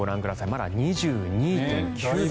まだ２２．９度。